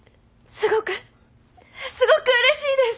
すごくすごくうれしいです！